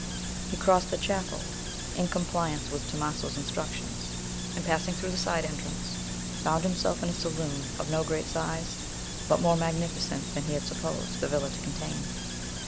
He crossed the chapel, in compliance with Tomaso's instructions, and, passing through the side entrance, found himself in a saloon, of no great size, but more magnificent than he had supposed the villa to contain.